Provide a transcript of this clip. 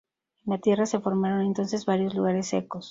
En la Tierra se formaron entonces varios lugares secos.